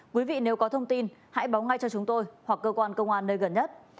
quý vị nếu có thông tin hãy báo ngay cho chúng tôi hoặc cơ quan công an nơi gần nhất